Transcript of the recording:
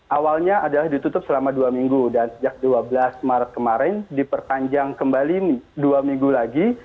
awalnya adalah ditutup selama dua minggu dan sejak dua belas maret kemarin diperpanjang kembali dua minggu lagi